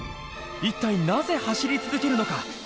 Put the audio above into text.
一体なぜ走り続けるのか？